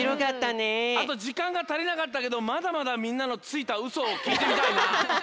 あとじかんがたりなかったけどまだまだみんなのついたウソをきいてみたいな。